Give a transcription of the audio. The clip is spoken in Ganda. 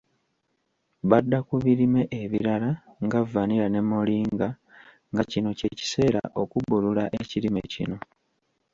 Badda ku birime ebirala nga Vanilla ne Moringa, nga kino kye kiseera okubbulula ekirime kino.